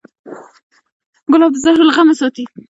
ګلاب د زهرو له غمه ساتي.